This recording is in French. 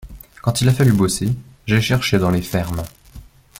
Quand il a fallu bosser, j’ai cherché dans les fermes.